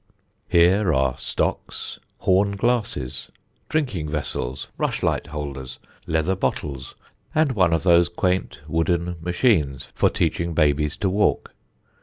Here are stocks, horn glasses, drinking vessels, rushlight holders, leather bottels, and one of those quaint wooden machines for teaching babies to walk.